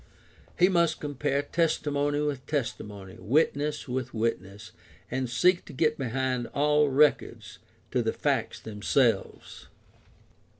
He must compare testimony with testimony, witness with witness, and seek to get behind all records to the facts themselves.